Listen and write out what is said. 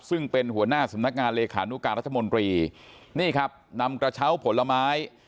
ซึ่งเป็นหัวหน้าสำนักงานเลขานุการรัฐมนตรีนี่ครับนำกระเช้าผลไม้